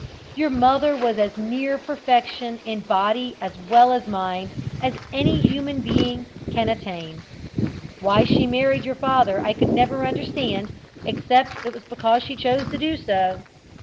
Your mother was as near perfection, in body as well as mind, as any human being can attain. Why she married your father I could never understand, except it was because she chose to do so.